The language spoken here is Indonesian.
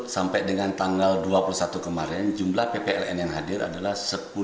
sampai dengan tanggal dua puluh satu kemarin jumlah ppln yang hadir adalah sepuluh satu ratus lima puluh delapan